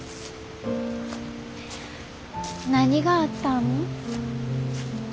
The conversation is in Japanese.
何があったん？